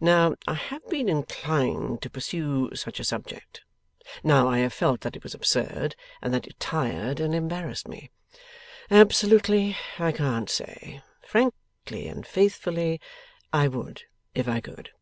Now, I have been inclined to pursue such a subject; now I have felt that it was absurd, and that it tired and embarrassed me. Absolutely, I can't say. Frankly and faithfully, I would if I could.